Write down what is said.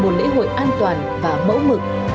một lễ hội an toàn và mẫu mực